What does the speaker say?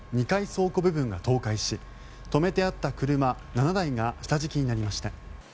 倉庫部分が倒壊し止めてあった車７台が下敷きになりました。